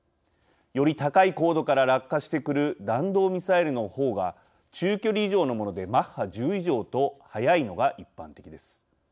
より高い高度から落下してくる弾道ミサイルのほうが中距離以上のものでマッハ１０以上と速いのが一般的です。